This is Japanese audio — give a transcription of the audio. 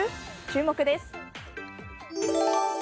注目です。